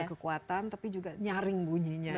kekuatan tapi juga nyaring bunyinya